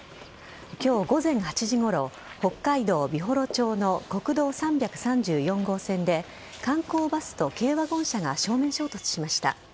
今日午前８時ごろ北海道美幌町の国道３３４号線で観光バスと軽ワゴン車が正面衝突しました。